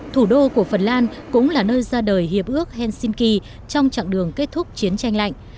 thủ đô của phần lan cũng là nơi ra đời hiệp ước helsinki trong chặng đường kết thúc chiến tranh lạnh